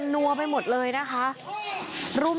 ตายหนึ่ง